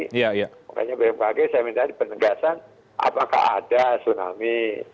pokoknya pmkg saya minta penegasan apakah ada tsunami